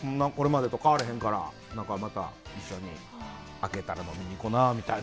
これからも変われへんから、また明けたら飲み行こうなみたいな。